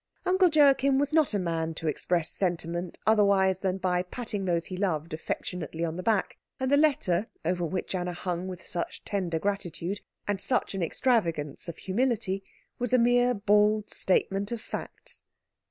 Uncle Joachim was not a man to express sentiment otherwise than by patting those he loved affectionately on the back, and the letter over which Anna hung with such tender gratitude, and such an extravagance of humility, was a mere bald statement of facts.